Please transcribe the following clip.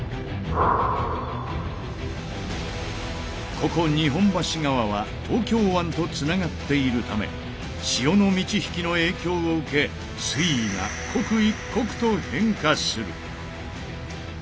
ここ日本橋川は東京湾とつながっているため潮の満ち引きの影響を受け水位が刻一刻と変化する。